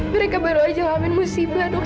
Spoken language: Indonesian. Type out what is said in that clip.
mereka baru saja alamin musibah dok